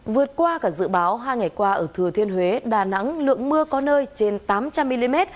vượt qua cả dự báo hai ngày qua ở thừa thiên huế đà nẵng lượng mưa có nơi trên tám trăm linh mm